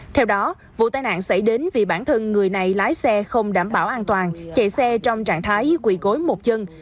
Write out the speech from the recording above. theo đó vụ tai nạn xảy đến vì bản thân người này lái xe không đảm bảo an toàn chạy xe trong trạng thái quỷ cối một chân